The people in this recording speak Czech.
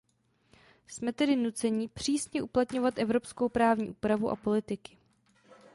Jsme tedy nucení přísně uplatňovat evropskou právní úpravu a politiky.